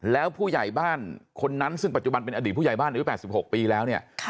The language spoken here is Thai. แล้วผู้ใหญ่บ้านคนนั้นซึ่งปัจจุบันเป็นอดีตผู้ใหญ่บ้านอายุ๘๖ปีแล้วเนี่ย